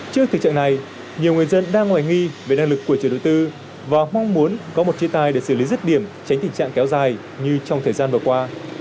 trước thực trạng này nhiều người dân đang hoài nghi về năng lực của chủ đối tư và mong muốn có một chế tài để xử lý rứt điểm tránh tình trạng kéo dài như trong thời gian vừa qua